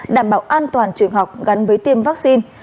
đảm bảo an toàn trường học gắn với tiêm vaccine